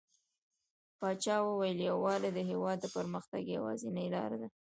پاچا وويل: يووالى د هيواد د پرمختګ يوازينۍ لاره ده .